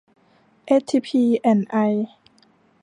เอสทีพี แอนด์ ไอ